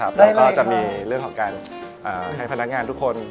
แล้วก็จะมีเรื่องของการให้พนักงานทุกคน